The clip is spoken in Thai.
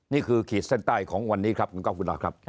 นี่คือขีดเส้นใต้ของวันนี้ครับขอบคุณครับ